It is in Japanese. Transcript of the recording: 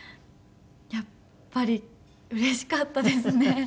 やっぱりうれしかったですね。